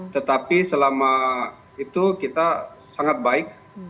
tetapi selama itu kita sangat baik